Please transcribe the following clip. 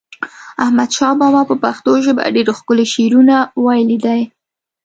احمد شاه بابا په پښتو ژپه ډیر ښکلی شعرونه وایلی دی